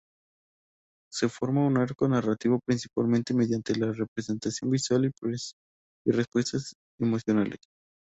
Se forma un arco narrativo principalmente mediante la representación visual y respuestas emocionales.